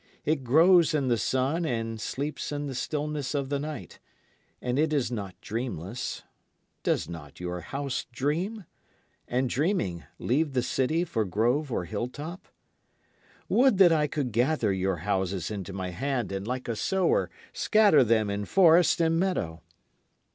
It grows in the sun and sleeps in the stillness of the night; and it is not dreamless. Does not your house dream? and dreaming, leave the city for grove or hilltop? Would that I could gather your houses into my hand, and like a sower scatter them in forest and meadow.